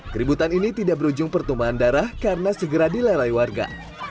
keributan ini tidak berujung pertumbuhan darah karena segera dilerai warga